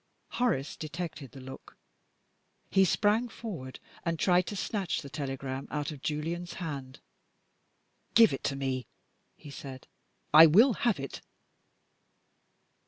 Horace detected the look. He sprang forward and tried to snatch the telegram out of Julian's hand. "Give it to me!" he said. "I will have it!"